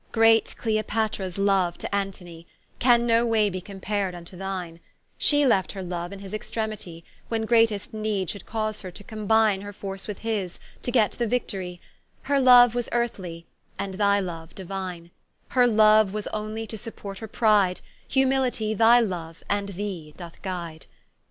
Great Cleopatra's loue to Anthony, Can no way be compared vnto thine; Shee left her Loue in his extremitie, When greatest need should cause her to combine Her force with his, to get the Victory: Her Loue was earthly, and thy Loue Diuine; Her Loue was onely to support her pride, Humilitie thy Loue and Thee doth guide.